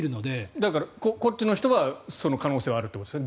だから、こっちの人はその可能性があるということですよね。